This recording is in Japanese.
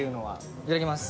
いただきます。